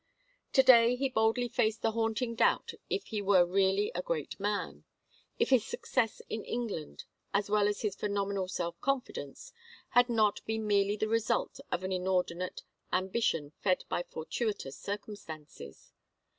To day he boldly faced the haunting doubt if he were really a great man; if his success in England, as well as his phenomenal self confidence, had not been merely the result of an inordinate ambition fed by fortuitous circumstances.